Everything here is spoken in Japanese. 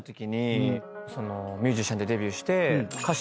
ミュージシャンでデビューして。